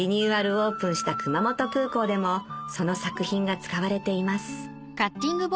オープンした熊本空港でもその作品が使われています